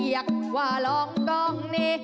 เยอะหรือล้องต้องเน่